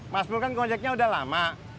mas pur kan konjeknya udah lama